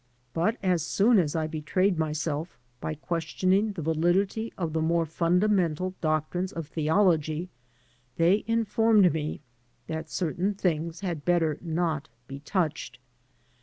But as soon as I betrayed myself by questioning the validity of the more fundamental doctrines of theology they informed me that certain things had better not be touched.